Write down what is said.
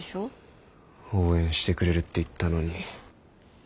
応援してくれるって言ったのに。